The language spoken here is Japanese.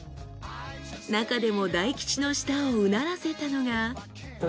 なかでも大吉の舌をうならせたのが。